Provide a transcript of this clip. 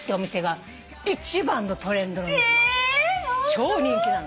超人気なの。